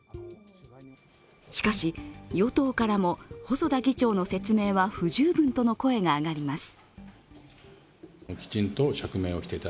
しかし、与党からも細田議長の説明は不十分との声が上がります。